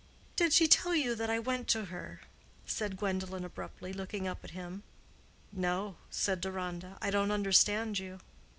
"Did she tell you that I went to her?" said Gwendolen, abruptly, looking up at him. "No," said Deronda. "I don't understand you."